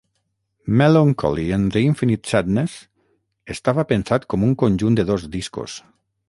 "Mellon Collie and the Infinite Sadness" estava pensat com un conjunt de dos discos.